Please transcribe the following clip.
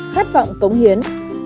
khát vọng cống hiến